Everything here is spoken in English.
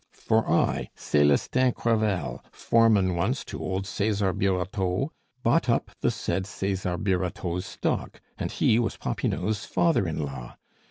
"For I, Celestin Crevel, foreman once to old Cesar Birotteau, brought up the said Cesar Birotteau's stock; and he was Popinot's father in law.